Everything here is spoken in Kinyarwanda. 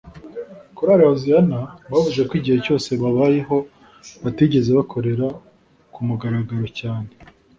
Korali Hoziyana bavuga ko igihe cyose babayeho batigeze bakorera ku mugaragaro cyane